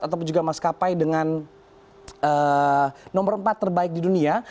ataupun juga maskapai dengan nomor empat terbaik di dunia